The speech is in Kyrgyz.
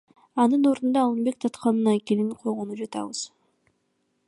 Анын ордуна Алымбек датканын айкелин койгону жатабыз.